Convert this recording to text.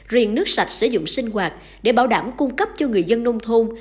riêng nước sạch sử dụng sinh hoạt để bảo đảm cung cấp cho người dân nông thôn